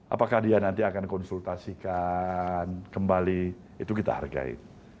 apakah dia nanti akan konsultasikan kembali itu kita hargai